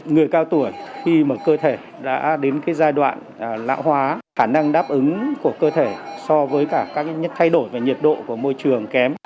người cao tuổi khi mà cơ thể đã đến cái giai đoạn lão hóa khả năng đáp ứng của cơ thể so với cả các thay đổi về nhiệt độ của môi trường kém